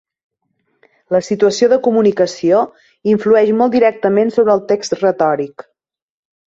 La situació de comunicació influeix molt directament sobre el text retòric.